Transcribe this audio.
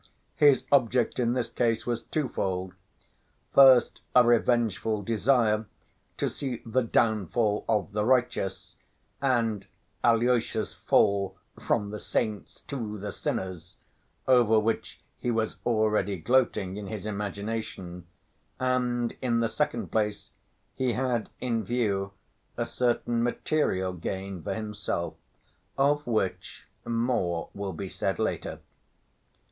His object in this case was twofold, first a revengeful desire to see "the downfall of the righteous," and Alyosha's fall "from the saints to the sinners," over which he was already gloating in his imagination, and in the second place he had in view a certain material gain for himself, of which more will be said later.